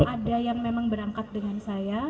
ada yang memang berangkat dengan saya